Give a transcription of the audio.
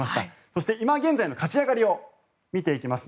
そして今現在の勝ち上がりを見ていきます。